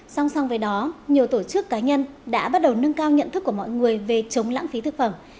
song song với đó nhiều tổ chức cá nhân đã bắt đầu nâng cao nhận thức của mọi người về chống lãng phí thực phẩm